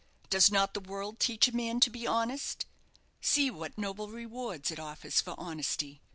Does not the world teach a man to be honest? See what noble rewards it offers for honesty."